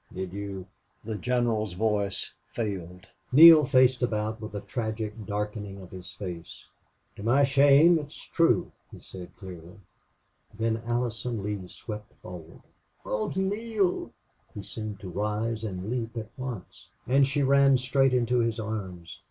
Did you " The general's voice failed. Neale faced about with a tragic darkening of his face. "To my shame it is true," he said, clearly. Then Allie Lee swept forward. "Oh, Neale!" He seemed to rise and leap at once. And she ran straight into his arms.